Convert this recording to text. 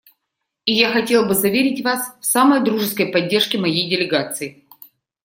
И я хотел бы заверить вас в самой дружеской поддержке моей делегации.